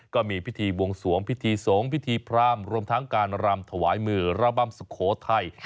ก็มีพิธีบวงสวงพิธีสงฆ์พิธีพรามรวมทั้งการรำถวายมือระบำสุโขทัย